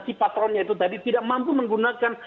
dimana si patronnya itu tadi tidak mampu menggunakan